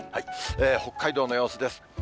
北海道の様子です。